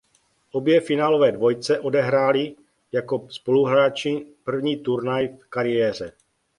Obě finálové dvojice odehráli jako spoluhráči první turnaj v kariéře.